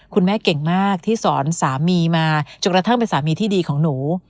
คุณแม่เก่งมากที่สอนสามีมาจนกระทั่งเป็นสามีที่ดีของหนู